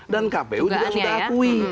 dan kpu juga sudah akui